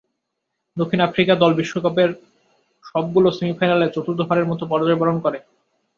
দক্ষিণ আফ্রিকা দল বিশ্বকাপের সবগুলো সেমি-ফাইনালে চতুর্থবারের মতো পরাজয়বরণ করে।